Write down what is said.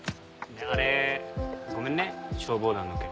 あれごめんね消防団の件。